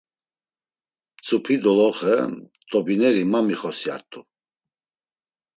Mtzupi doloxe t̆obineri ma mixosyart̆u.